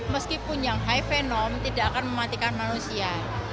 meskipun yang high venom tidak akan mematikan manusia